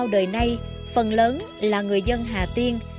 đời nay phần lớn là người dân hà tiên